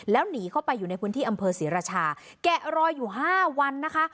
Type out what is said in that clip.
แล้วหนีเข้าไปอยู่ในพื้นที่อำเภอศรีราชาแกะรอยอยู่๕วันนะคะ